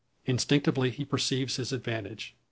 Instinctively he perceives his advantage.